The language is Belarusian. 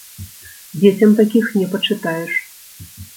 Дзецям такіх не пачытаеш.